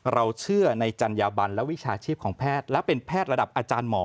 เราเชื่อในจัญญาบันและวิชาชีพของแพทย์และเป็นแพทย์ระดับอาจารย์หมอ